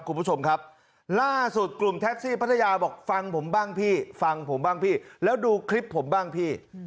คุณผู้ชมครับล่าสุดกลุ่มแท็กซี่พัทยาบอกฟังผมบ้างพี่ฟังผมบ้างพี่แล้วดูคลิปผมบ้างพี่